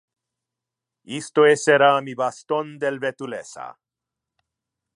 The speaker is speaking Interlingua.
Isto essera mi baston del vetulessa.